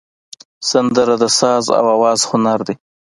سندره د ساز او آواز هنر دی